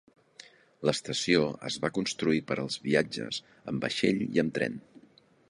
L'estació es va construir per als viatges amb vaixell i amb tren.